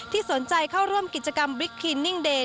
สนใจเข้าร่วมกิจกรรมบิ๊กคินนิ่งเดย์